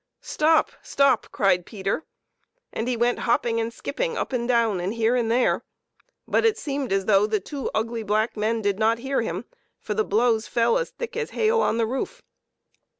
" Stop ! stop !" cried Peter, and he went hopping and skipping up and down, and here and there, but it seemed as though the two ugly black men did not hear him, for the blows fell as thick as hail on the roof.